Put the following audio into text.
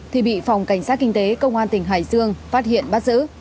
thì bị phòng cảnh sát kinh tế công an tỉnh hải dương phát hiện bắt giữ